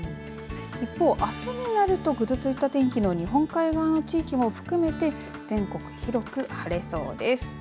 一方、あすになるとぐずついた天気の日本海側の地域も含めて全国広く晴れそうです。